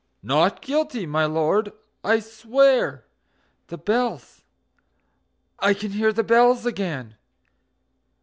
NOT GUILTY, my Lord, I swear... The bells I can hear the bells again!...